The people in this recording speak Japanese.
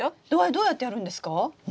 どうやってやるんですか？